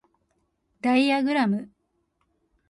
ダイアグラム